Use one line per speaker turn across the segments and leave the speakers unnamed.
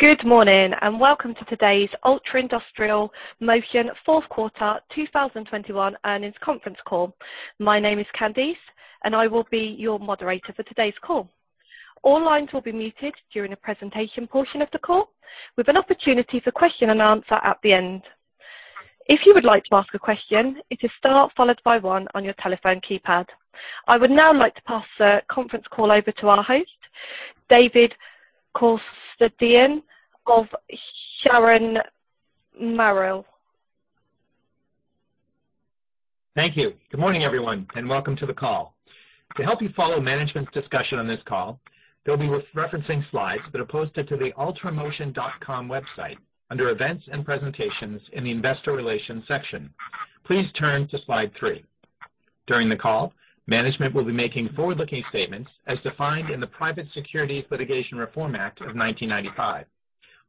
Good morning, and welcome to today's Altra Industrial Motion Fourth Quarter 2021 earnings conference call. My name is Candice, and I will be your moderator for today's call. All lines will be muted during the presentation portion of the call, with an opportunity for question and answer at the end. If you would like to ask a question, it is star followed by one on your telephone keypad. I would now like to pass the conference call over to our host, David Calusdian of Sharon Merrill.
Thank you. Good morning, everyone, and welcome to the call. To help you follow management's discussion on this call, they'll be referencing slides that are posted to the altramotion.com website under Events and Presentations in the Investor Relations section. Please turn to slide three. During the call, management will be making forward-looking statements as defined in the Private Securities Litigation Reform Act of 1995.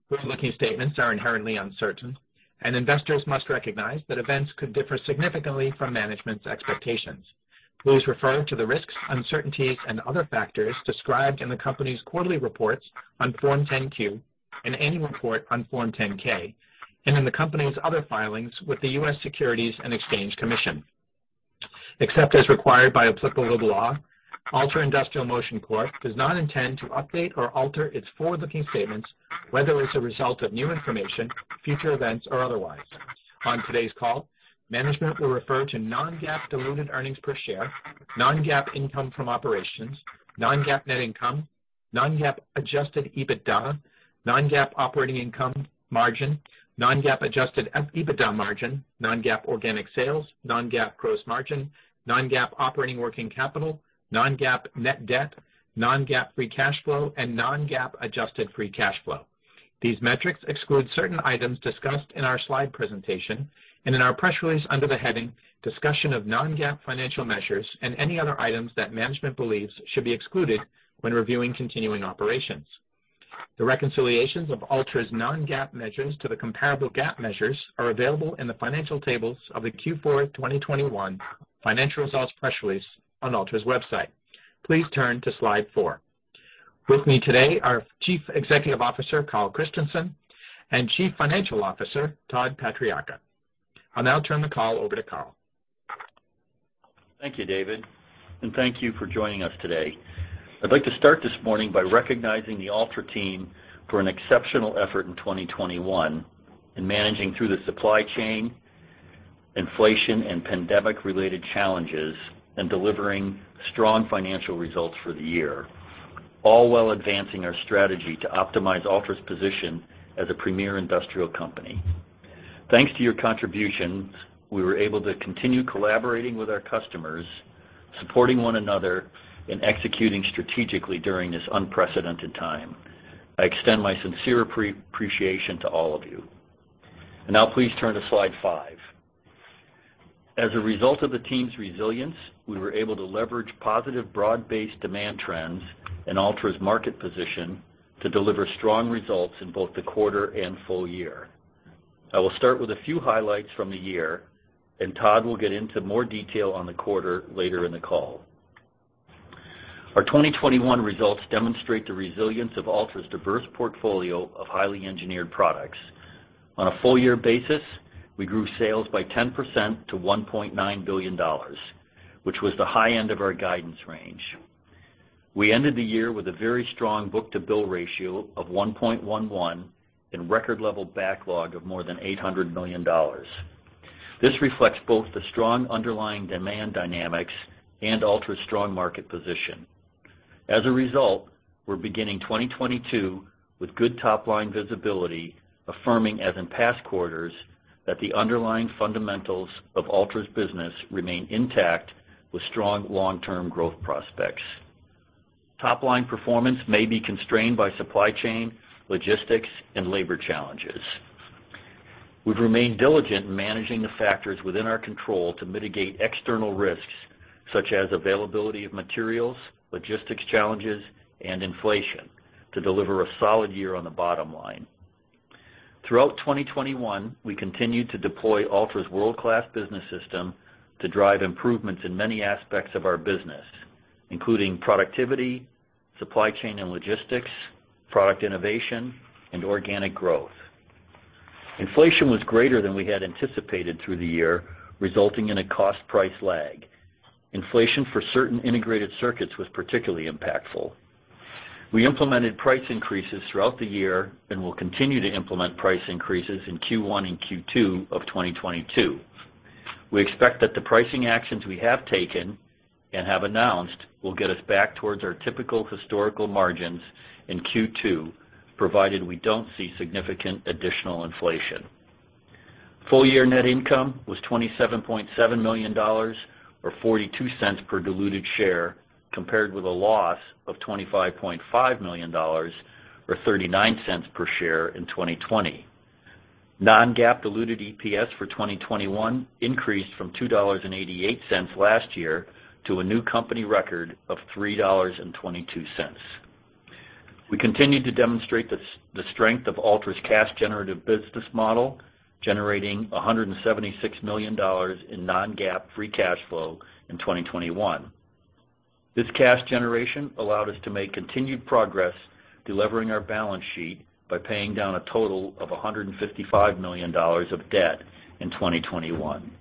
Forward-looking statements are inherently uncertain, and investors must recognize that events could differ significantly from management's expectations. Please refer to the risks, uncertainties and other factors described in the company's quarterly reports on Form 10-Q, and annual report on Form 10-K, and in the company's other filings with the U.S. Securities and Exchange Commission. Except as required by applicable law, Altra Industrial Motion Corp. Does not intend to update or alter its forward-looking statements, whether as a result of new information, future events, or otherwise. On today's call, management will refer to non-GAAP diluted earnings per share, non-GAAP income from operations, non-GAAP net income, non-GAAP adjusted EBITDA, non-GAAP operating income margin, non-GAAP adjusted EBITDA margin, non-GAAP organic sales, non-GAAP gross margin, non-GAAP operating working capital, non-GAAP net debt, non-GAAP free cash flow, and non-GAAP adjusted free cash flow. These metrics exclude certain items discussed in our slide presentation and in our press release under the heading Discussion of Non-GAAP Financial Measures and any other items that management believes should be excluded when reviewing continuing operations. The reconciliations of Altra's non-GAAP measures to the comparable GAAP measures are available in the financial tables of the Q4 2021 financial results press release on Altra's website. Please turn to slide four. With me today, our Chief Executive Officer, Carl Christenson, and Chief Financial Officer, Todd Patriarca. I'll now turn the call over to Carl.
Thank you, David, and thank you for joining us today. I'd like to start this morning by recognizing the Altra team for an exceptional effort in 2021 in managing through the supply chain, inflation, and pandemic-related challenges and delivering strong financial results for the year, all while advancing our strategy to optimize Altra's position as a premier industrial company. Thanks to your contributions, we were able to continue collaborating with our customers, supporting one another, and executing strategically during this unprecedented time. I extend my sincere appreciation to all of you. Now please turn to slide five. As a result of the team's resilience, we were able to leverage positive broad-based demand trends in Altra's market position to deliver strong results in both the quarter and full year. I will start with a few highlights from the year, and Todd will get into more detail on the quarter later in the call. Our 2021 results demonstrate the resilience of Altra's diverse portfolio of highly engineered products. On a full year basis, we grew sales by 10% to $1.9 billion, which was the high end of our guidance range. We ended the year with a very strong book-to-bill ratio of 1.11 and record level backlog of more than $800 million. This reflects both the strong underlying demand dynamics and Altra's strong market position. As a result, we're beginning 2022 with good top line visibility, affirming as in past quarters, that the underlying fundamentals of Altra's business remain intact with strong long-term growth prospects. Top line performance may be constrained by supply chain, logistics, and labor challenges. We've remained diligent in managing the factors within our control to mitigate external risks such as availability of materials, logistics challenges, and inflation to deliver a solid year on the bottom line. Throughout 2021, we continued to deploy Altra's world-class business system to drive improvements in many aspects of our business, including productivity, supply chain and logistics, product innovation, and organic growth. Inflation was greater than we had anticipated through the year, resulting in a cost price lag. Inflation for certain integrated circuits was particularly impactful. We implemented price increases throughout the year and will continue to implement price increases in Q1 and Q2 of 2022. We expect that the pricing actions we have taken and have announced will get us back towards our typical historical margins in Q2, provided we don't see significant additional inflation. Full year net income was $27.7 million or $0.42 per diluted share, compared with a loss of $25.5 million or $0.39 per share in 2020. Non-GAAP diluted EPS for 2021 increased from $2.88 last year to a new company record of $3.22. We continued to demonstrate the strength of Altra's cash generative business model, generating $176 million in non-GAAP free cash flow in 2021. This cash generation allowed us to make continued progress deleveraging our balance sheet by paying down a total of $155 million of debt in 2021.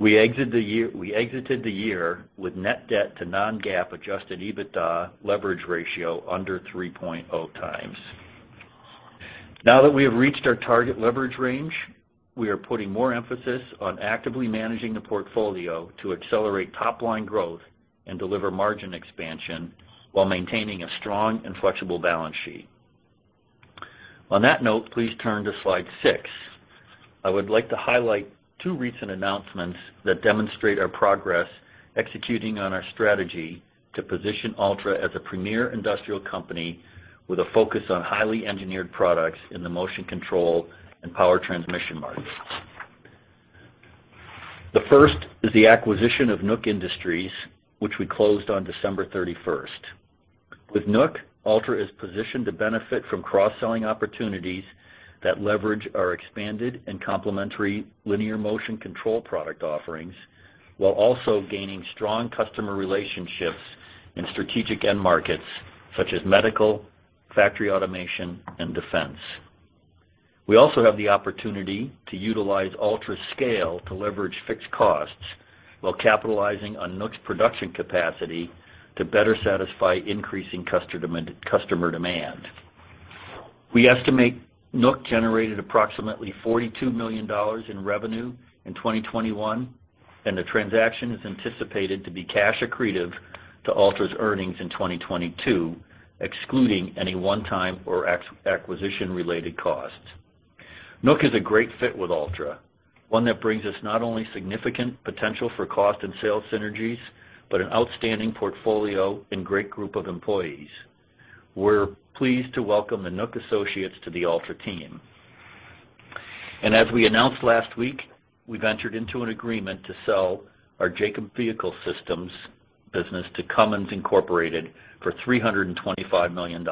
We exited the year with net debt to non-GAAP adjusted EBITDA leverage ratio under 3.0x. Now that we have reached our target leverage range, we are putting more emphasis on actively managing the portfolio to accelerate top line growth and deliver margin expansion while maintaining a strong and flexible balance sheet. On that note, please turn to slide 6. I would like to highlight two recent announcements that demonstrate our progress executing on our strategy to position Altra as a premier industrial company with a focus on highly engineered products in the motion control and power transmission markets. The first is the acquisition of Nook Industries, which we closed on December 31st. With Nook, Altra is positioned to benefit from cross-selling opportunities that leverage our expanded and complementary linear motion control product offerings, while also gaining strong customer relationships in strategic end markets such as medical, factory automation, and defense. We also have the opportunity to utilize Altra's scale to leverage fixed costs while capitalizing on Nook's production capacity to better satisfy increasing customer demand. We estimate Nook generated approximately $42 million in revenue in 2021, and the transaction is anticipated to be cash accretive to Altra's earnings in 2022, excluding any one-time or acquisition-related costs. Nook is a great fit with Altra, one that brings us not only significant potential for cost and sales synergies, but an outstanding portfolio and great group of employees. We're pleased to welcome the Nook associates to the Altra team. As we announced last week, we've entered into an agreement to sell our Jacobs Vehicle Systems business to Cummins Inc. for $325 million.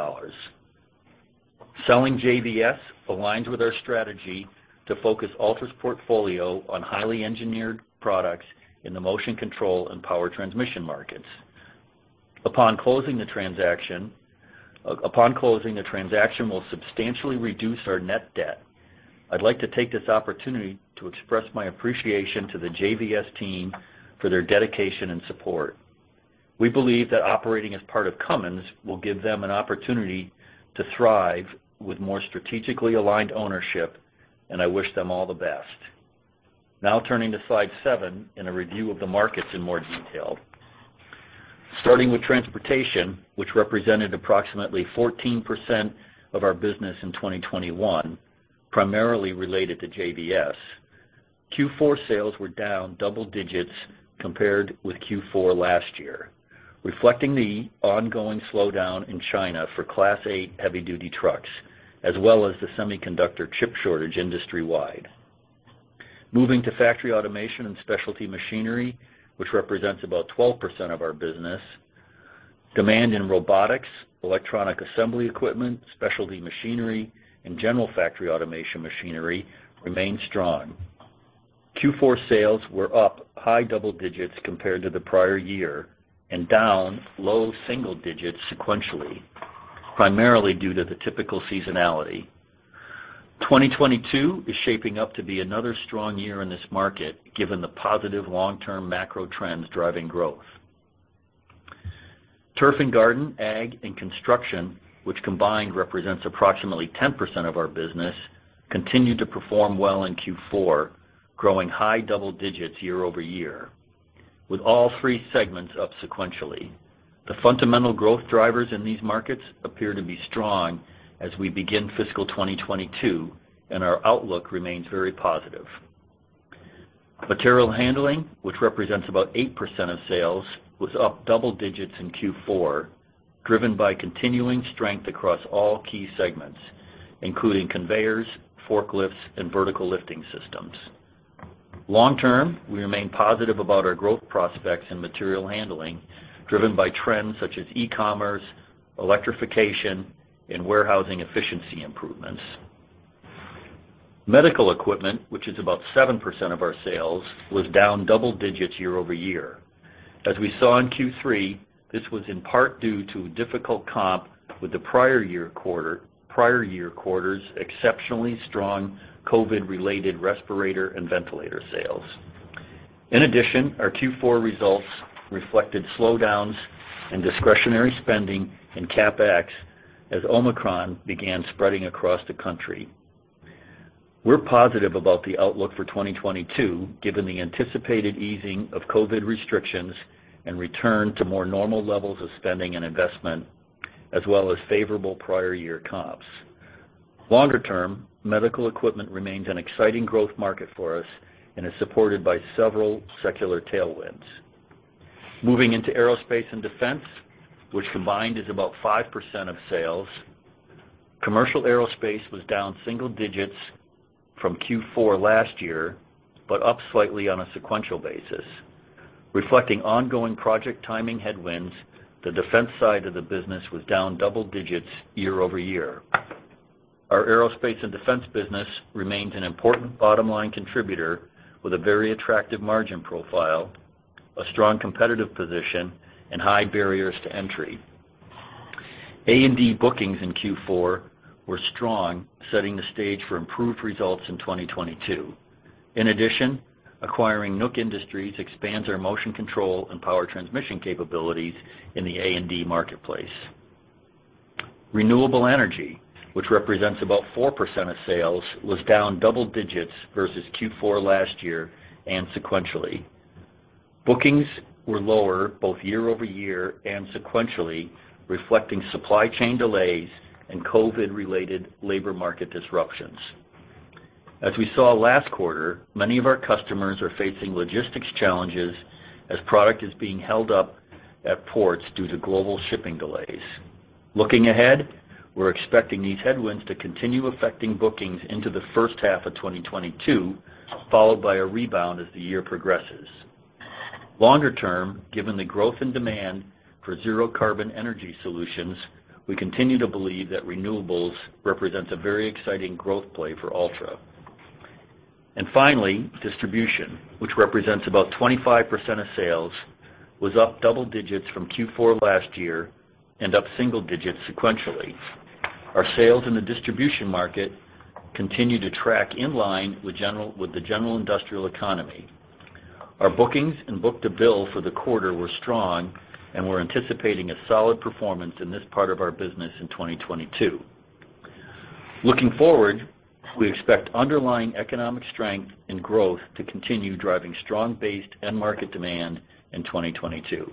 Selling JVS aligns with our strategy to focus Altra's portfolio on highly engineered products in the motion control and power transmission markets. Upon closing, the transaction will substantially reduce our net debt. I'd like to take this opportunity to express my appreciation to the JVS team for their dedication and support. We believe that operating as part of Cummins will give them an opportunity to thrive with more strategically aligned ownership, and I wish them all the best. Now turning to slide seven in a review of the markets in more detail. Starting with transportation, which represented approximately 14% of our business in 2021, primarily related to JVS. Q4 sales were down double digits compared with Q4 last year, reflecting the ongoing slowdown in China for Class eight heavy-duty trucks, as well as the semiconductor chip shortage industry-wide. Moving to factory automation and specialty machinery, which represents about 12% of our business, demand in robotics, electronic assembly equipment, specialty machinery, and general factory automation machinery remains strong. Q4 sales were up high double digits compared to the prior year and down low single digits sequentially, primarily due to the typical seasonality. 2022 is shaping up to be another strong year in this market, given the positive long-term macro trends driving growth. Turf and garden, ag, and construction, which combined represents approximately 10% of our business, continued to perform well in Q4, growing high double digits year-over-year, with all three segments up sequentially. The fundamental growth drivers in these markets appear to be strong as we begin fiscal 2022, and our outlook remains very positive. Material handling, which represents about 8% of sales, was up double digits in Q4, driven by continuing strength across all key segments, including conveyors, forklifts, and vertical lifting systems. Long term, we remain positive about our growth prospects in material handling, driven by trends such as e-commerce, electrification, and warehousing efficiency improvements. Medical equipment, which is about 7% of our sales, was down double digits year over year. As we saw in Q3, this was in part due to difficult comp with the prior year quarter's exceptionally strong COVID-related respirator and ventilator sales. In addition, our Q4 results reflected slowdowns in discretionary spending and CapEx as Omicron began spreading across the country. We're positive about the outlook for 2022, given the anticipated easing of COVID restrictions and return to more normal levels of spending and investment, as well as favorable prior year comps. Longer term, medical equipment remains an exciting growth market for us and is supported by several secular tailwinds. Moving into aerospace and defense, which combined is about 5% of sales. Commercial aerospace was down single digits from Q4 last year, but up slightly on a sequential basis. Reflecting ongoing project timing headwinds, the defense side of the business was down double digits year-over-year. Our aerospace and defense business remains an important bottom-line contributor with a very attractive margin profile, a strong competitive position, and high barriers to entry. A&D bookings in Q4 were strong, setting the stage for improved results in 2022. In addition, acquiring Nook Industries expands our motion control and power transmission capabilities in the A&D marketplace. Renewable energy, which represents about 4% of sales, was down double digits versus Q4 last year and sequentially. Bookings were lower both year-over-year and sequentially, reflecting supply chain delays and COVID-related labor market disruptions. As we saw last quarter, many of our customers are facing logistics challenges as product is being held up at ports due to global shipping delays. Looking ahead, we're expecting these headwinds to continue affecting bookings into the first half of 2022, followed by a rebound as the year progresses. Longer term, given the growth in demand for zero carbon energy solutions, we continue to believe that renewables represents a very exciting growth play for Altra. Finally, distribution, which represents about 25% of sales, was up double digits from Q4 last year and up single digits sequentially. Our sales in the distribution market continue to track in line with the general industrial economy. Our bookings and book-to-bill for the quarter were strong, and we're anticipating a solid performance in this part of our business in 2022. Looking forward, we expect underlying economic strength and growth to continue driving strong-based end market demand in 2022.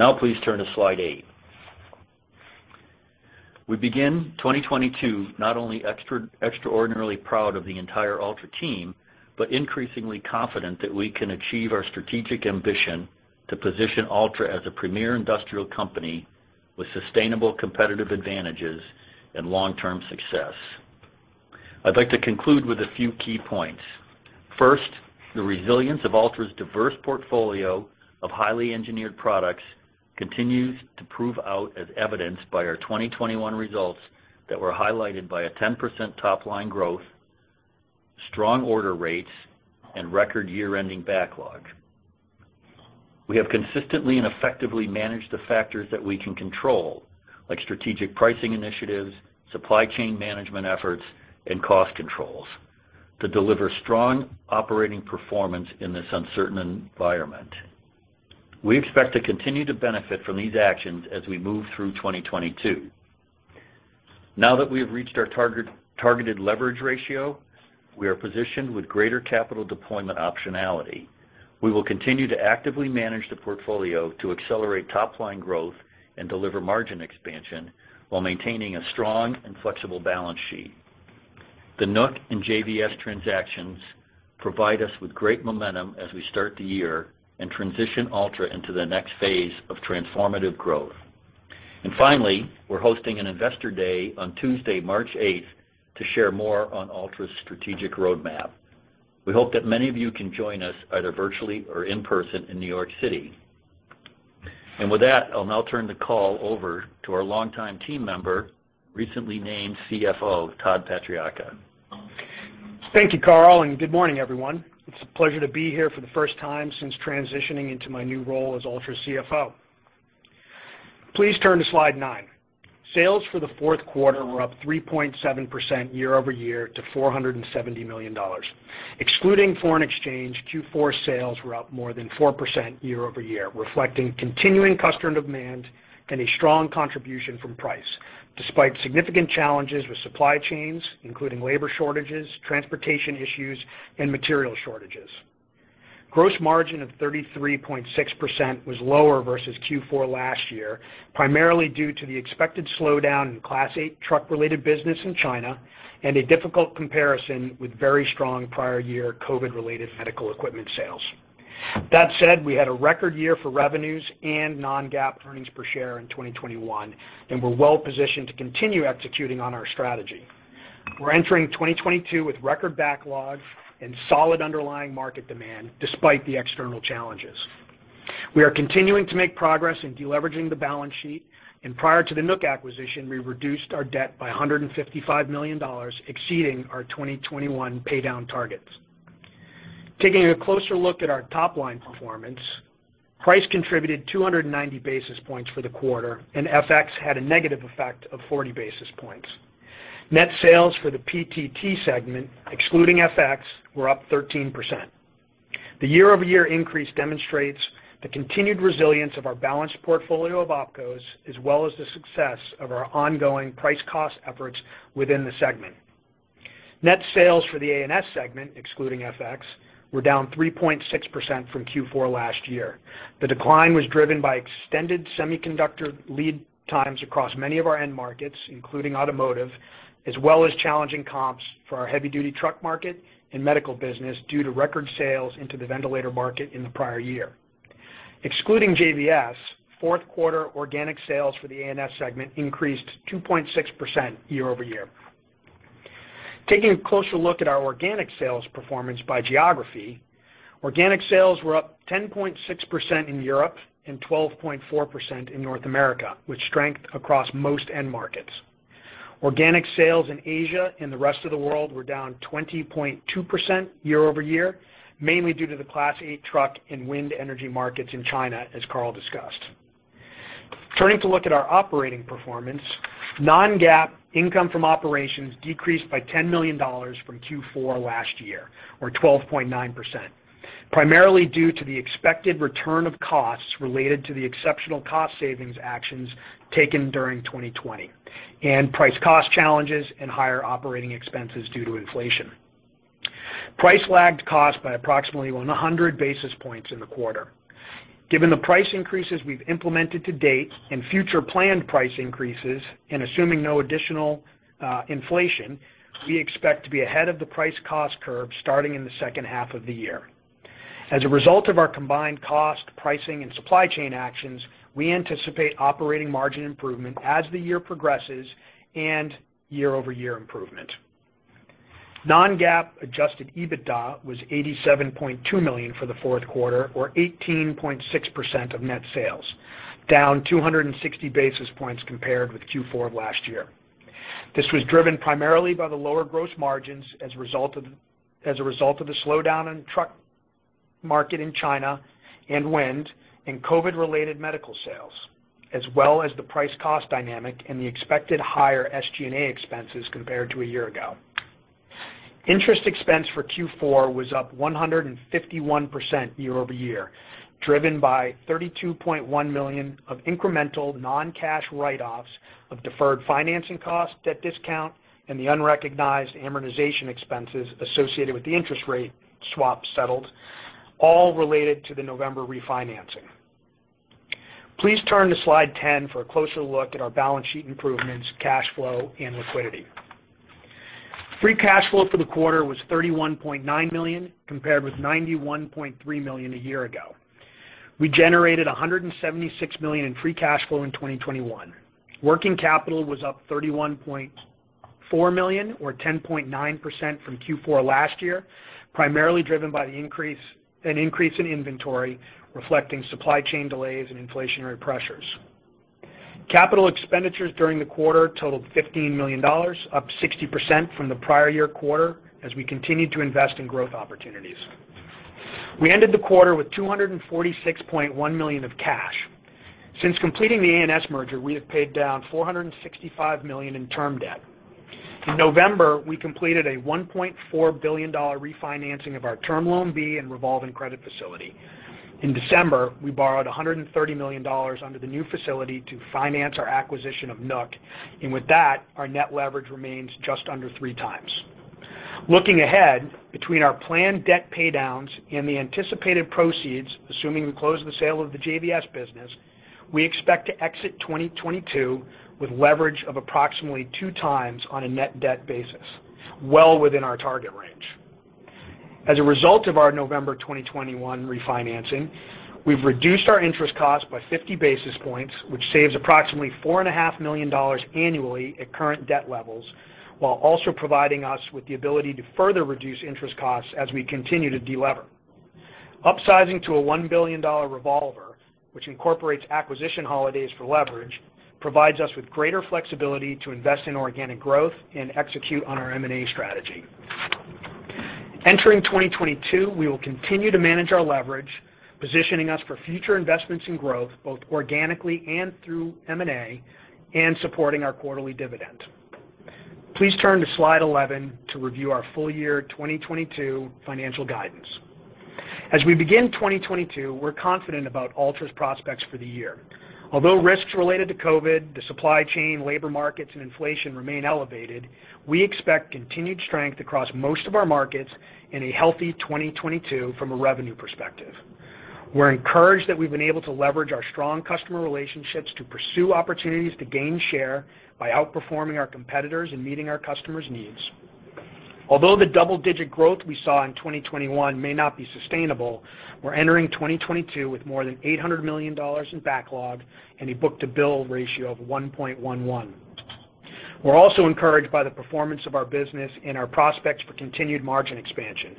Now please turn to slide 8. We begin 2022 not only extraordinarily proud of the entire Altra team, but increasingly confident that we can achieve our strategic ambition to position Altra as a premier industrial company with sustainable competitive advantages and long-term success. I'd like to conclude with a few key points. First, the resilience of Altra's diverse portfolio of highly engineered products continues to prove out, as evidenced by our 2021 results that were highlighted by a 10% top-line growth, strong order rates, and record year-ending backlog. We have consistently and effectively managed the factors that we can control, like strategic pricing initiatives, supply chain management efforts, and cost controls to deliver strong operating performance in this uncertain environment. We expect to continue to benefit from these actions as we move through 2022. Now that we have reached our targeted leverage ratio, we are positioned with greater capital deployment optionality. We will continue to actively manage the portfolio to accelerate top-line growth and deliver margin expansion while maintaining a strong and flexible balance sheet. The Nook and JVS transactions provide us with great momentum as we start the year and transition Altra into the next phase of transformative growth. We're hosting an Investor Day on Tuesday, March 8, to share more on Altra's strategic roadmap. We hope that many of you can join us either virtually or in person in New York City. With that, I'll now turn the call over to our longtime team member, recently named CFO, Todd Patriarca.
Thank you, Carl, and good morning, everyone. It's a pleasure to be here for the first time since transitioning into my new role as Altra's CFO. Please turn to slide 9. Sales for the fourth quarter were up 3.7% year-over-year to $470 million. Excluding foreign exchange, Q4 sales were up more than 4% year-over-year, reflecting continuing customer demand and a strong contribution from price, despite significant challenges with supply chains, including labor shortages, transportation issues, and material shortages. Gross margin of 33.6% was lower versus Q4 last year, primarily due to the expected slowdown in Class eight truck-related business in China and a difficult comparison with very strong prior year COVID-related medical equipment sales. That said, we had a record year for revenues and non-GAAP earnings per share in 2021, and we're well positioned to continue executing on our strategy. We're entering 2022 with record backlog and solid underlying market demand despite the external challenges. We are continuing to make progress in deleveraging the balance sheet, and prior to the Nook acquisition, we reduced our debt by $155 million, exceeding our 2021 paydown targets. Taking a closer look at our top-line performance, price contributed 290 basis points for the quarter, and FX had a negative effect of 40 basis points. Net sales for the PTT segment, excluding FX, were up 13%. The year-over-year increase demonstrates the continued resilience of our balanced portfolio of opcos, as well as the success of our ongoing price cost efforts within the segment. Net sales for the A&S segment, excluding FX, were down 3.6% from Q4 last year. The decline was driven by extended semiconductor lead times across many of our end markets, including automotive, as well as challenging comps for our heavy-duty truck market and medical business due to record sales into the ventilator market in the prior year. Excluding JVS, fourth quarter organic sales for the A&S segment increased 2.6% year-over-year. Taking a closer look at our organic sales performance by geography, organic sales were up 10.6% in Europe and 12.4% in North America, with strength across most end markets. Organic sales in Asia and the rest of the world were down 20.2% year-over-year, mainly due to the Class eight truck and wind energy markets in China, as Carl discussed. Turning to look at our operating performance, non-GAAP income from operations decreased by $10 million from Q4 last year or 12.9%, primarily due to the expected return of costs related to the exceptional cost savings actions taken during 2020 and price cost challenges and higher operating expenses due to inflation. Price lagged cost by approximately 100 basis points in the quarter. Given the price increases we've implemented to date and future planned price increases, and assuming no additional inflation, we expect to be ahead of the price cost curve starting in the second half of the year. As a result of our combined cost, pricing, and supply chain actions, we anticipate operating margin improvement as the year progresses and year-over-year improvement. Non-GAAP adjusted EBITDA was $87.2 million for the fourth quarter or 18.6% of net sales, down 260 basis points compared with Q4 last year. This was driven primarily by the lower gross margins as a result of the slowdown in truck market in China and wind and COVID-related medical sales, as well as the price cost dynamic and the expected higher SG&A expenses compared to a year ago. Interest expense for Q4 was up 151% year-over-year, driven by $32.1 million of incremental non-cash write-offs of deferred financing costs, debt discount, and the unrecognized amortization expenses associated with the interest rate swap settled, all related to the November refinancing. Please turn to slide 10 for a closer look at our balance sheet improvements, cash flow, and liquidity. Free cash flow for the quarter was $31.9 million, compared with $91.3 million a year ago. We generated $176 million in free cash flow in 2021. Working capital was up $31.4 million or 10.9% from Q4 last year, primarily driven by an increase in inventory reflecting supply chain delays and inflationary pressures. Capital expenditures during the quarter totaled $15 million, up 60% from the prior year quarter as we continued to invest in growth opportunities. We ended the quarter with $246.1 million of cash. Since completing the A&S merger, we have paid down $465 million in term debt. In November, we completed a $1.4 billion refinancing of our Term Loan B and revolving credit facility. In December, we borrowed $130 million under the new facility to finance our acquisition of Nook. With that, our net leverage remains just under 3x. Looking ahead, between our planned debt paydowns and the anticipated proceeds, assuming we close the sale of the JVS business, we expect to exit 2022 with leverage of approximately 2x on a net debt basis, well within our target range. As a result of our November 2021 refinancing, we've reduced our interest cost by 50 basis points, which saves approximately $4.5 million annually at current debt levels, while also providing us with the ability to further reduce interest costs as we continue to delever. Upsizing to a $1 billion revolver, which incorporates acquisition holidays for leverage, provides us with greater flexibility to invest in organic growth and execute on our M&A strategy. Entering 2022, we will continue to manage our leverage, positioning us for future investments in growth, both organically and through M&A, and supporting our quarterly dividend. Please turn to slide 11 to review our full year 2022 financial guidance. As we begin 2022, we're confident about Altra's prospects for the year. Although risks related to COVID, the supply chain, labor markets, and inflation remain elevated, we expect continued strength across most of our markets in a healthy 2022 from a revenue perspective. We're encouraged that we've been able to leverage our strong customer relationships to pursue opportunities to gain share by outperforming our competitors and meeting our customers' needs. Although the double-digit growth we saw in 2021 may not be sustainable, we're entering 2022 with more than $800 million in backlog and a book-to-bill ratio of 1.11. We're also encouraged by the performance of our business and our prospects for continued margin expansion.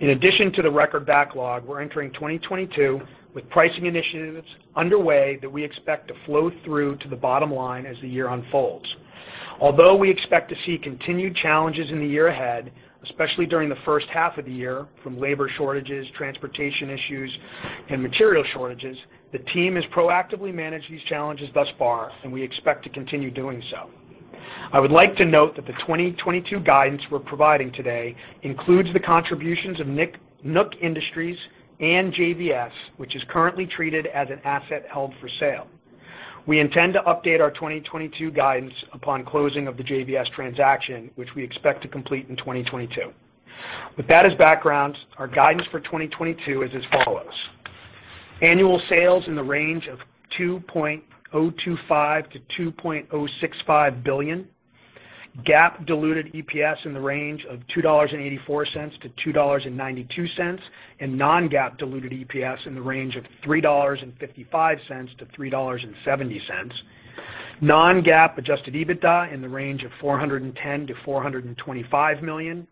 In addition to the record backlog, we're entering 2022 with pricing initiatives underway that we expect to flow through to the bottom line as the year unfolds. Although we expect to see continued challenges in the year ahead, especially during the first half of the year, from labor shortages, transportation issues, and material shortages, the team has proactively managed these challenges thus far, and we expect to continue doing so. I would like to note that the 2022 guidance we're providing today includes the contributions of Nook Industries and JVS, which is currently treated as an asset held for sale. We intend to update our 2022 guidance upon closing of the JVS transaction, which we expect to complete in 2022. With that as background, our guidance for 2022 is as follows: annual sales in the range of $2.025 billion-$2.065 billion, GAAP diluted EPS in the range of $2.84-$2.92, and non-GAAP diluted EPS in the range of $3.55-$3.70. Non-GAAP adjusted EBITDA in the range of $410 million-$425 million.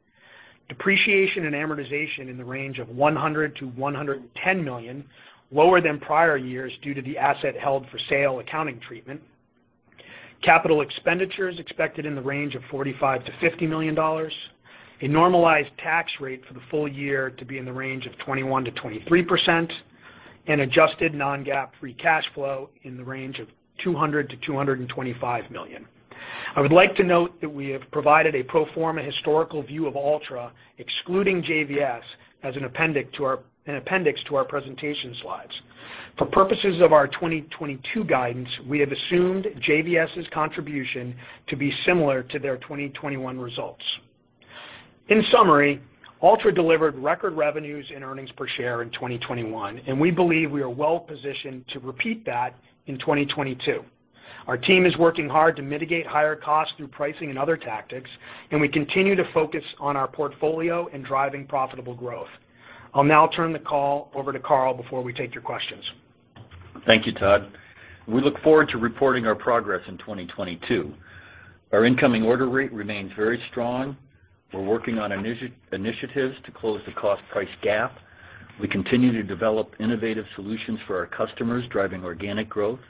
Depreciation and amortization in the range of $100 million-$110 million, lower than prior years due to the asset held for sale accounting treatment. Capital expenditures expected in the range of $45 million-$50 million. A normalized tax rate for the full year to be in the range of 21%-23%. Adjusted non-GAAP free cash flow in the range of $200 million-$225 million. I would like to note that we have provided a pro forma historical view of Altra, excluding JVS, as an appendix to our presentation slides. For purposes of our 2022 guidance, we have assumed JVS's contribution to be similar to their 2021 results. In summary, Altra delivered record revenues and earnings per share in 2021, and we believe we are well positioned to repeat that in 2022. Our team is working hard to mitigate higher costs through pricing and other tactics, and we continue to focus on our portfolio and driving profitable growth. I'll now turn the call over to Carl before we take your questions.
Thank you, Todd. We look forward to reporting our progress in 2022. Our incoming order rate remains very strong. We're working on initiatives to close the cost price gap. We continue to develop innovative solutions for our customers, driving organic growth.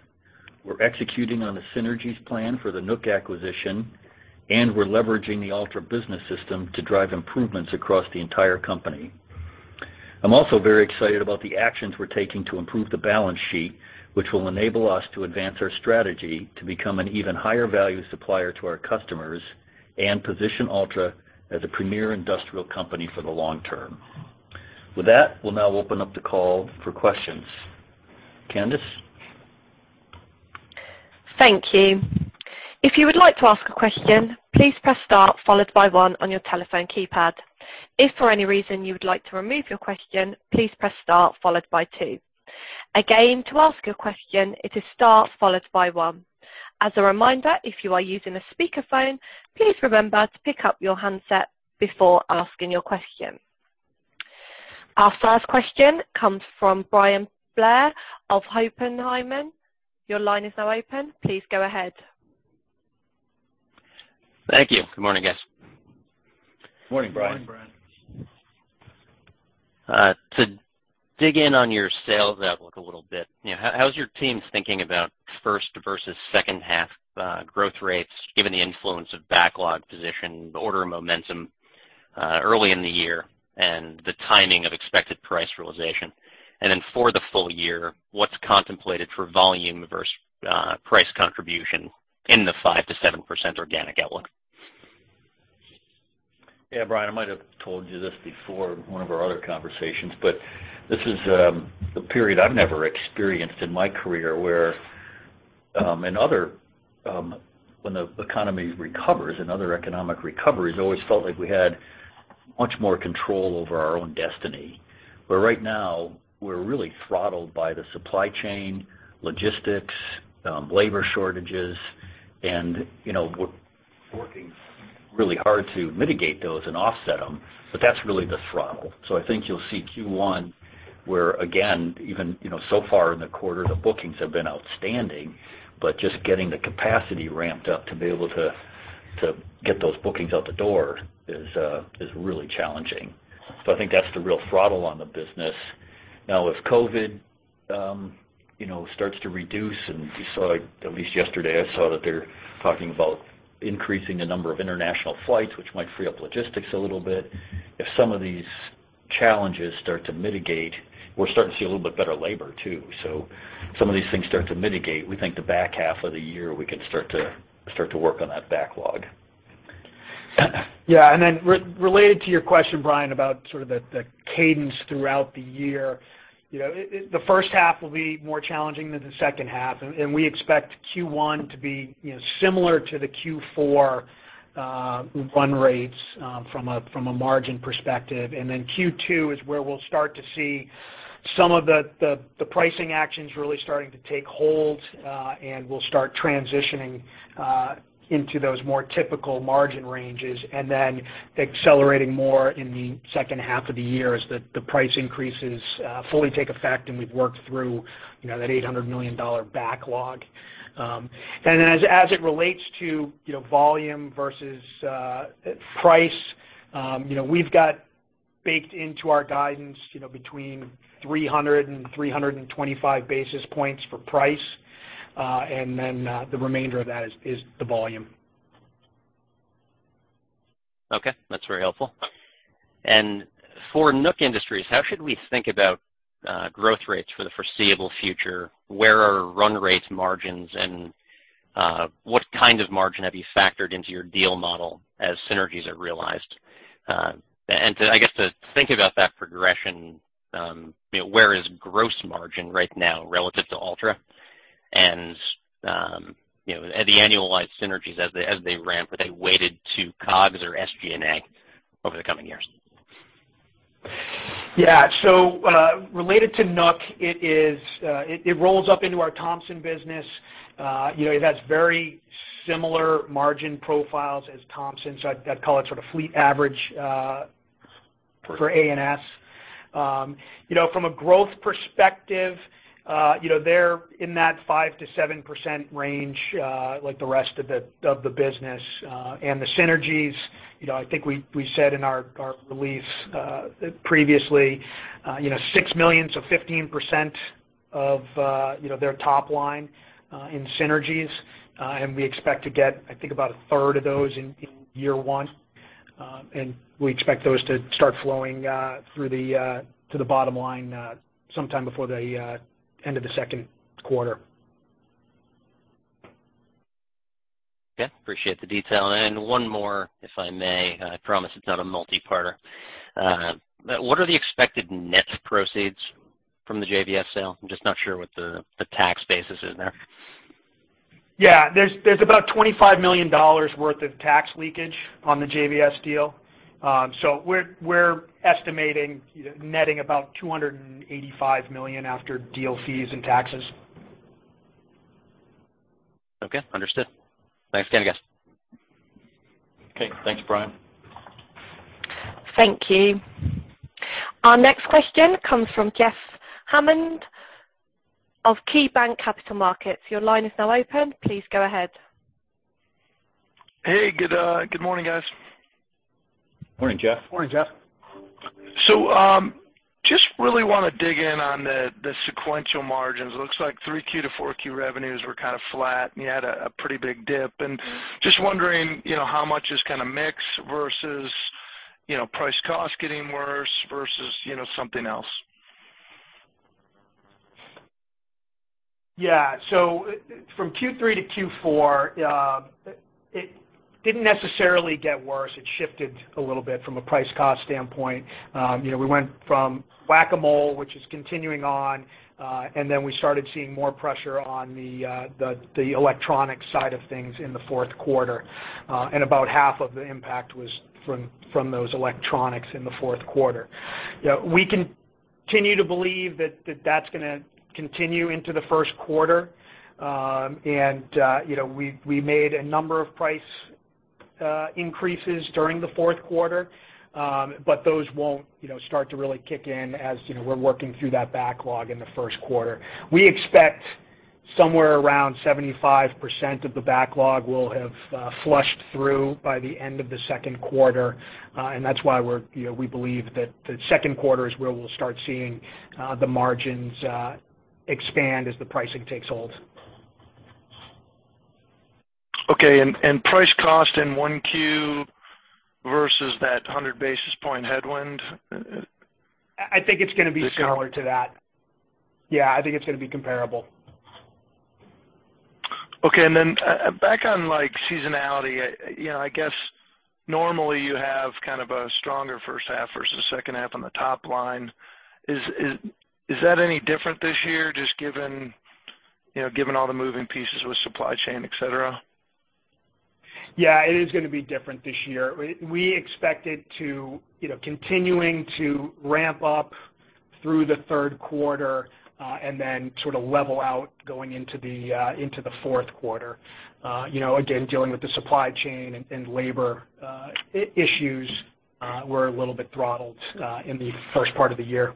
We're executing on a synergies plan for the Nook acquisition, and we're leveraging the Altra business system to drive improvements across the entire company. I'm also very excited about the actions we're taking to improve the balance sheet, which will enable us to advance our strategy to become an even higher value supplier to our customers and position Altra as a premier industrial company for the long term. With that, we'll now open up the call for questions. Candice?
Thank you. If you would like to ask a question, please press star followed by one on your telephone keypad. If for any reason you would like to remove your question, please press star followed by two. Again, to ask a question, it is star followed by one. As a reminder, if you are using a speakerphone, please remember to pick up your handset before asking your question. Our first question comes from Bryan Blair of Oppenheimer. Your line is now open. Please go ahead.
Thank you. Good morning, guys.
Morning, Bryan.
Morning, Bryan.
To dig in on your sales outlook a little bit, you know, how's your teams thinking about first versus second half, growth rates, given the influence of backlog position, the order momentum, early in the year and the timing of expected price realization? Then for the full year, what's contemplated for volume versus, price contribution in the 5%-7% organic outlook?
Yeah, Bryan, I might have told you this before in one of our other conversations, but this is the period I've never experienced in my career, where in other economic recoveries, we always felt like we had much more control over our own destiny. Right now, we're really throttled by the supply chain, logistics, labor shortages, and you know, we're working really hard to mitigate those and offset them, but that's really the throttle. I think you'll see Q1, where again, even you know, so far in the quarter, the bookings have been outstanding, but just getting the capacity ramped up to be able to get those bookings out the door is really challenging. I think that's the real throttle on the business. Now with COVID, you know, starts to reduce, and you saw, at least yesterday, I saw that they're talking about increasing the number of international flights, which might free up logistics a little bit. If some of these challenges start to mitigate, we're starting to see a little bit better labor too. Some of these things start to mitigate. We think the back half of the year, we can start to work on that backlog.
Yeah. Regarding your question, Bryan, about sort of the cadence throughout the year. You know, the first half will be more challenging than the second half, and we expect Q1 to be, you know, similar to the Q4 run rates from a margin perspective. Q2 is where we'll start to see some of the pricing actions really starting to take hold, and we'll start transitioning into those more typical margin ranges. Accelerating more in the second half of the year as the price increases fully take effect, and we've worked through, you know, that $800 million backlog. As it relates to, you know, volume versus price, you know, we've got baked into our guidance, you know, between 300 and 325 basis points for price. The remainder of that is the volume.
Okay. That's very helpful. For Nook Industries, how should we think about growth rates for the foreseeable future? Where are run rate margins and what kind of margin have you factored into your deal model as synergies are realized? To, I guess, think about that progression, you know, where is gross margin right now relative to Altra? You know, the annualized synergies as they ramp, are they weighted to COGS or SG&A over the coming years?
Yeah. Related to Nook, it rolls up into our Thomson business. You know, it has very similar margin profiles as Thomson, so I'd call it sort of fleet average for A&S. You know, from a growth perspective, you know, they're in that 5%-7% range, like the rest of the business. The synergies, you know, I think we said in our release previously, you know, $6 million, so 15% of their top line in synergies. We expect to get, I think, about a third of those in year one. We expect those to start flowing through to the bottom line sometime before the end of the second quarter.
Okay. Appreciate the detail. One more, if I may. I promise it's not a multi-parter. What are the expected net proceeds from the JVS sale? I'm just not sure what the tax basis is there.
Yeah. There's about $25 million worth of tax leakage on the JVS deal. We're estimating netting about $285 million after deal fees and taxes.
Okay. Understood. Thanks again, guys.
Okay. Thanks, Bryan.
Thank you. Our next question comes from Jeff Hammond of KeyBanc Capital Markets. Your line is now open. Please go ahead.
Hey, good morning, guys.
Morning, Jeff.
Morning, Jeff.
Just really wanna dig in on the sequential margins. It looks like 3Q to 4Q revenues were kind of flat, and you had a pretty big dip. Just wondering, you know, how much is kinda mix versus, you know, price cost getting worse versus, you know, something else?
Yeah. From Q3 to Q4, it didn't necessarily get worse. It shifted a little bit from a price cost standpoint. You know, we went from whack-a-mole, which is continuing on, and then we started seeing more pressure on the electronic side of things in the fourth quarter. About half of the impact was from those electronics in the fourth quarter. You know, we continue to believe that that's gonna continue into the first quarter. You know, we made a number of price increases during the fourth quarter, but those won't, you know, start to really kick in as, you know, we're working through that backlog in the first quarter. We expect somewhere around 75% of the backlog will have flushed through by the end of the second quarter, and that's why we're, you know, we believe that the second quarter is where we'll start seeing the margins expand as the pricing takes hold.
Okay. Price cost in Q1 versus that 100 basis point headwind.
I think it's gonna be similar to that. Yeah. I think it's gonna be comparable.
Okay. back on, like, seasonality, you know, I guess normally you have kind of a stronger first half versus second half on the top line. Is that any different this year just given, you know, given all the moving pieces with supply chain, et cetera?
Yeah, it is gonna be different this year. We expect it to, you know, continuing to ramp up through the third quarter, and then sort of level out going into the fourth quarter. You know, again, dealing with the supply chain and labor issues, we're a little bit throttled in the first part of the year.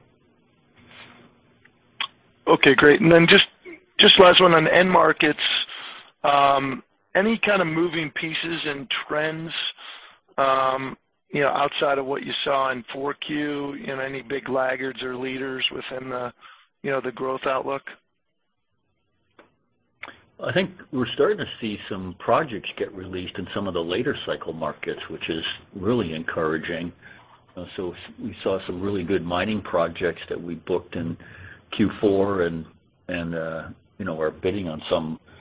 Okay, great. Just last one on end markets, any kind of moving pieces and trends, you know, outside of what you saw in Q4? You know, any big laggards or leaders within the, you know, the growth outlook?
I think we're starting to see some projects get released in some of the later cycle markets, which is really encouraging. We saw some really good mining projects that we booked in Q4 and you know, we're bidding on some, you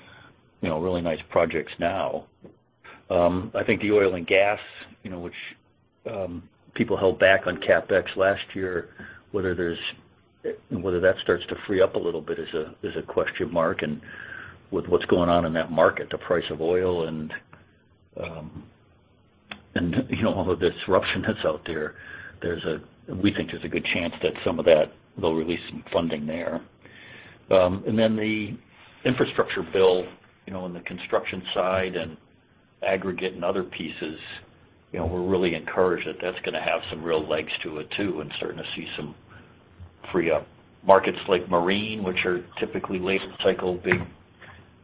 know, really nice projects now. I think the oil and gas, you know, which people held back on CapEx last year, whether that starts to free up a little bit is a question mark. With what's going on in that market, the price of oil and you know all the disruption that's out there, we think there's a good chance that some of that, they'll release some funding there. Then the infrastructure bill, you know, on the construction side and aggregate and other pieces, you know, we're really encouraged that that's gonna have some real legs to it too and starting to see some free up. Markets like marine, which are typically late cycle, big,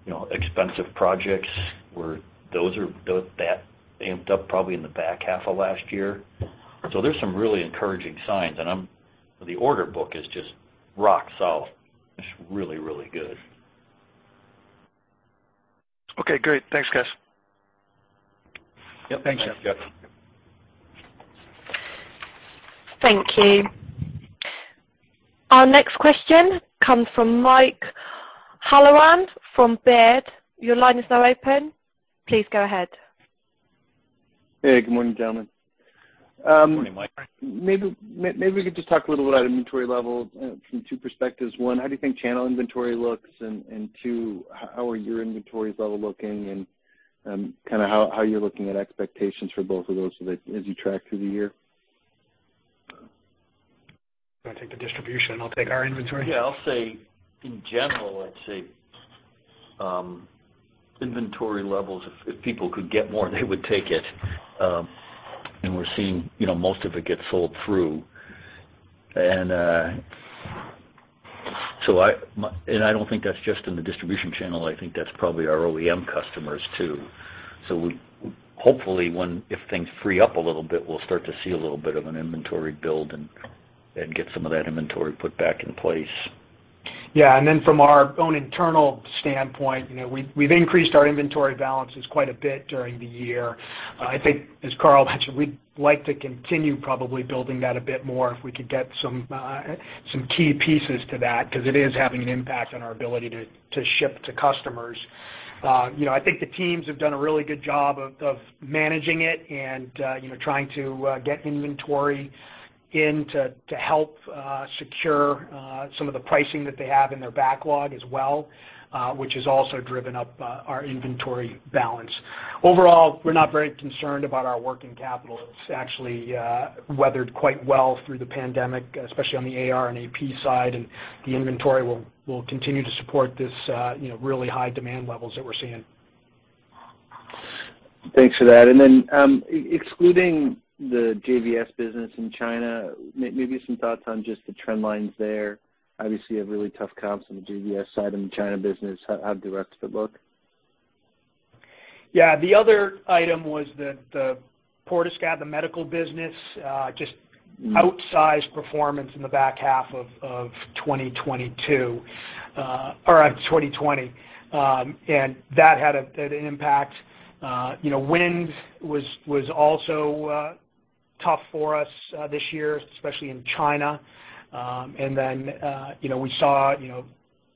you know, expensive projects, that amped up probably in the back half of last year. There's some really encouraging signs, and the order book is just rock solid. It's really, really good.
Okay, great. Thanks, guys.
Yep. Thanks.
Thanks, Jeff.
Thank you. Our next question comes from Michael Halloran from Baird. Your line is now open. Please go ahead.
Hey. Good morning, gentlemen.
Morning, Michael.
Maybe we could just talk a little bit about inventory levels from two perspectives. One, how do you think channel inventory looks? Two, how are your inventory levels looking? Kind of how you're looking at expectations for both of those so that as you track through the year?
You want to take the distribution, and I'll take our inventory?
Yeah, I'll say in general, I'd say, inventory levels, if people could get more, they would take it. We're seeing, you know, most of it get sold through. I don't think that's just in the distribution channel. I think that's probably our OEM customers too. Hopefully, if things free up a little bit, we'll start to see a little bit of an inventory build and get some of that inventory put back in place.
From our own internal standpoint, you know, we've increased our inventory balances quite a bit during the year. I think as Carl mentioned, we'd like to continue probably building that a bit more if we could get some key pieces to that, 'cause it is having an impact on our ability to ship to customers. You know, I think the teams have done a really good job of managing it and you know, trying to get inventory in to help secure some of the pricing that they have in their backlog as well, which has also driven up our inventory balance. Overall, we're not very concerned about our working capital. It's actually weathered quite well through the pandemic, especially on the AR and AP side, and the inventory will continue to support this, you know, really high demand levels that we're seeing.
Thanks for that. Excluding the JVS business in China, maybe some thoughts on just the trend lines there. Obviously, a really tough comp on the JVS side and the China business. How do the rest of it look?
Yeah. The other item was that Portescap, the medical business, just outsized performance in the back half of 2022 or of 2020. That had an impact. You know, wind was also tough for us this year, especially in China. You know, we saw you know,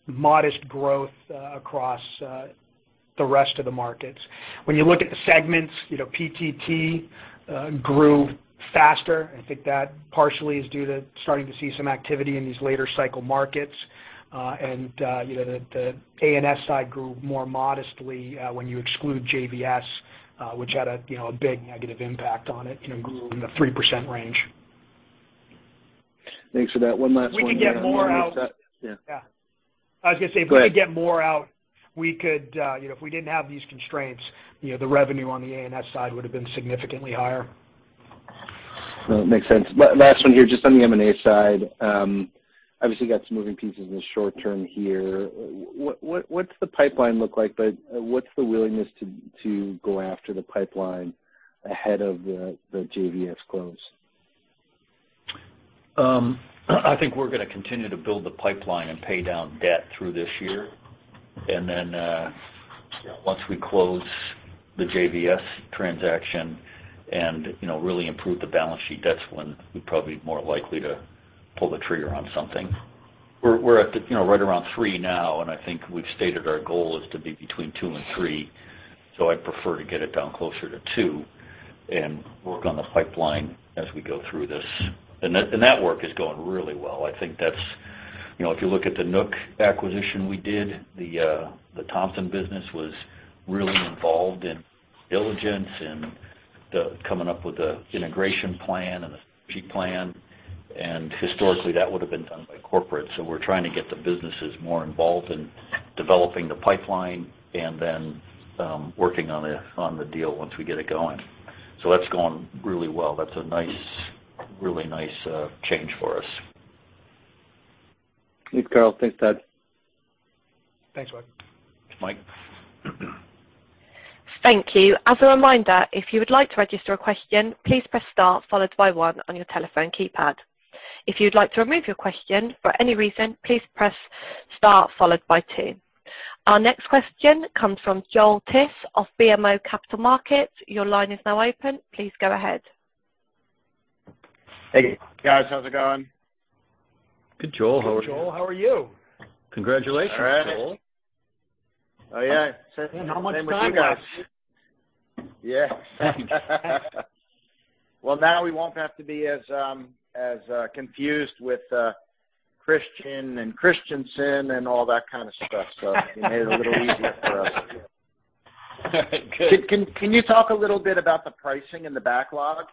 modest growth across the rest of the markets. When you look at the segments, you know, PTT grew faster. I think that partially is due to starting to see some activity in these later cycle markets. You know, the A&S side grew more modestly when you exclude JVS, which had a big negative impact on it, you know, grew in the 3% range.
Thanks for that. One last one here.
If we could get more out-
Yeah.
Yeah. I was gonna say.
Go ahead.
If we could get more out, we could, you know, if we didn't have these constraints, you know, the revenue on the A&S side would have been significantly higher.
Well, makes sense. Last one here, just on the M&A side. Obviously you got some moving pieces in the short term here. What's the pipeline look like, but what's the willingness to go after the pipeline ahead of the JVS close?
I think we're gonna continue to build the pipeline and pay down debt through this year. You know, once we close the JVS transaction and, you know, really improve the balance sheet, that's when we're probably more likely to pull the trigger on something. We're at the, you know, right around three now, and I think we've stated our goal is to be between two and three, so I'd prefer to get it down closer to two and work on the pipeline as we go through this. That work is going really well. I think that's you know, if you look at the Nook acquisition we did, the Thomson business was really involved in diligence and coming up with the integration plan and the strategy plan. Historically, that would've been done by corporate. We're trying to get the businesses more involved in developing the pipeline and then, working on the deal once we get it going. That's going really well. That's a nice, really nice change for us.
Thanks, Carl. Thanks, Ted.
Thanks, Mike.
Mike.
Thank you. As a reminder, if you would like to register a question, please press star followed by one on your telephone keypad. If you'd like to remove your question for any reason, please press star followed by two. Our next question comes from Joel Tiss of BMO Capital Markets. Your line is now open. Please go ahead.
Hey. Guys, how's it going?
Good, Joel. How are you?
Hey, Joel. How are you?
Congratulations, Joel.
Oh, yeah.
How much time do I have?
Yeah. Well, now we won't have to be as confused with Christenson and Christensen and all that kind of stuff, so you made it a little easier for us.
Good.
Can you talk a little bit about the pricing in the backlog?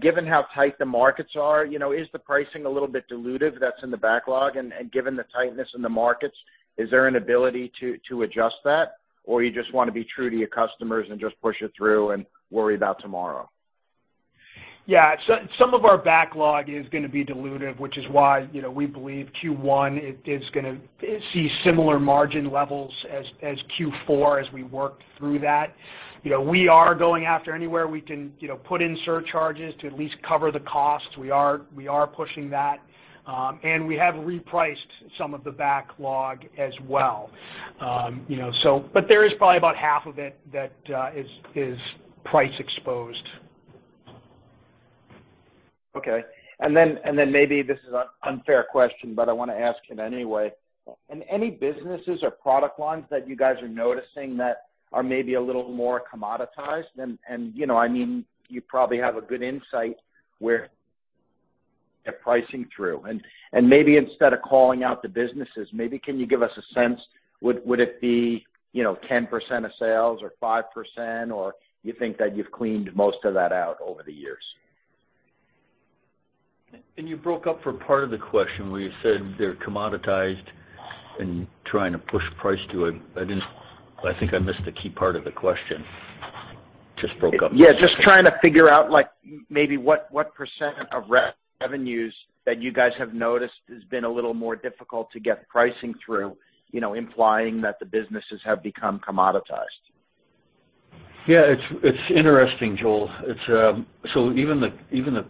Given how tight the markets are, you know, is the pricing a little bit dilutive that's in the backlog? Given the tightness in the markets, is there an ability to adjust that? Or you just wanna be true to your customers and just push it through and worry about tomorrow?
Some of our backlog is gonna be dilutive, which is why, you know, we believe Q1 is gonna see similar margin levels as Q4 as we work through that. You know, we are going after anywhere we can, you know, put in surcharges to at least cover the costs. We are pushing that. You know, there is probably about half of it that is price exposed.
Okay. Then maybe this is an unfair question, but I wanna ask it anyway. In any businesses or product lines that you guys are noticing that are maybe a little more commoditized and, you know, I mean, you probably have a good insight where they're pricing through. Maybe instead of calling out the businesses, maybe can you give us a sense, would it be, you know, 10% of sales or 5%, or you think that you've cleaned most of that out over the years?
You broke up for part of the question where you said they're commoditized and trying to push price to a. I didn't. I think I missed the key part of the question. Just broke up.
Yeah, just trying to figure out, like, maybe what percent of revenues that you guys have noticed has been a little more difficult to get pricing through, you know, implying that the businesses have become commoditized.
Yeah, it's interesting, Joel. Even the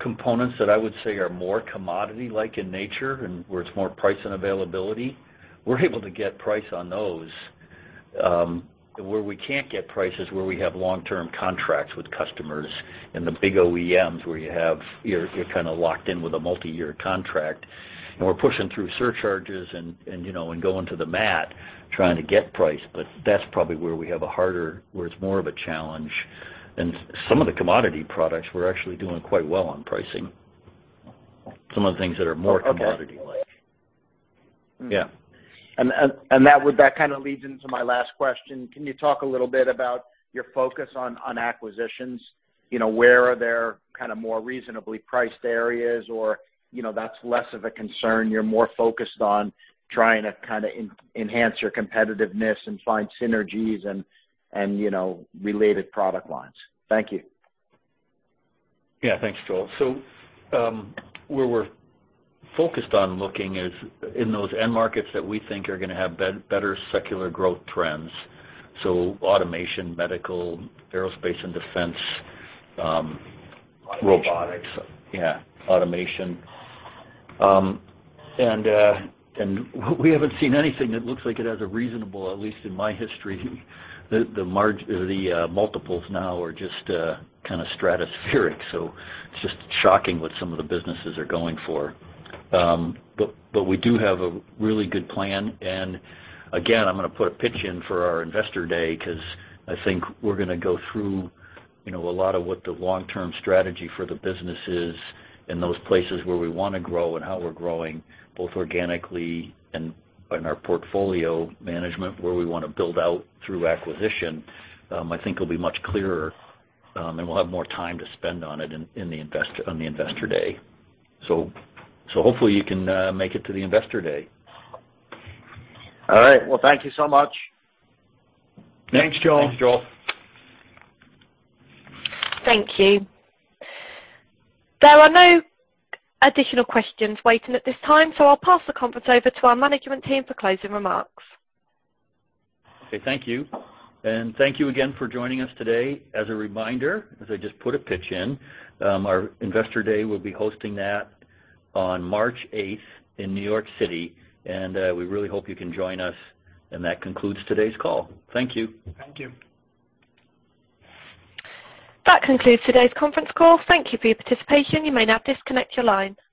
components that I would say are more commodity-like in nature and where it's more price and availability, we're able to get price on those. Where we can't get price is where we have long-term contracts with customers and the big OEMs, you're kinda locked in with a multi-year contract. We're pushing through surcharges and you know, and going to the mat trying to get price. That's probably where it's more of a challenge. Some of the commodity products we're actually doing quite well on pricing. Some of the things that are more commodity-like.
Okay.
Yeah.
That kind of leads into my last question. Can you talk a little bit about your focus on acquisitions? You know, where are there kind of more reasonably priced areas or, you know, that's less of a concern, you're more focused on trying to kinda enhance your competitiveness and find synergies and, you know, related product lines. Thank you.
Yeah. Thanks, Joel. Where we're focused on looking is in those end markets that we think are gonna have better secular growth trends. Automation, medical, aerospace and defense, robotics.
Robotics.
Yeah, automation. We haven't seen anything that looks like it has a reasonable, at least in my history. The multiples now are just kinda stratospheric. It's just shocking what some of the businesses are going for. We do have a really good plan. Again, I'm gonna put a pitch in for our Investor Day 'cause I think we're gonna go through, you know, a lot of what the long-term strategy for the business is and those places where we wanna grow and how we're growing, both organically and in our portfolio management, where we wanna build out through acquisition. I think it'll be much clearer, and we'll have more time to spend on it on the Investor Day. Hopefully you can make it to the Investor Day.
All right. Well, thank you so much.
Thanks, Joel.
Thanks, Joel.
Thank you. There are no additional questions waiting at this time, so I'll pass the conference over to our management team for closing remarks.
Okay, thank you. Thank you again for joining us today. As a reminder, as I just put a plug in, our Investor Day, we'll be hosting that on March eighth in New York City, and we really hope you can join us. That concludes today's call. Thank you.
Thank you.
That concludes today's conference call. Thank you for your participation. You may now disconnect your line.